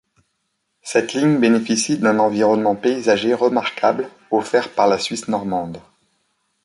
Cette ligne bénéficie d'un environnement paysager remarquable offert par la Suisse normande.